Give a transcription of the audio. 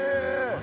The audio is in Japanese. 何？